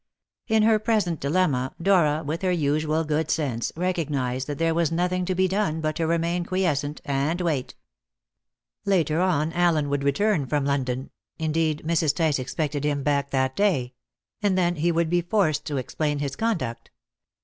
In her present dilemma, Dora, with her usual good sense, recognised that there was nothing to be done but to remain quiescent, and wait. Later on Allen would return from London indeed, Mrs. Tice expected him back that day and then he would be forced to explain his conduct.